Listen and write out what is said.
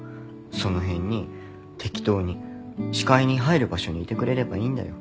その辺に適当に視界に入る場所にいてくれればいいんだよ